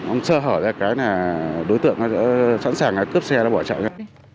ông sơ hở ra cái là đối tượng đã sẵn sàng cướp xe ra bỏ chạy ra